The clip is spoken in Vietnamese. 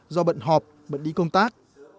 do bận họp bận đi công tác